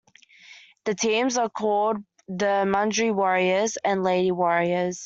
The teams are called the "Mandaree Warriors" and "Lady Warriors.